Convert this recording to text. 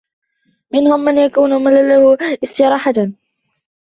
مِنْهُمْ مَنْ يَكُونُ مَلَلُهُ اسْتِرَاحَةً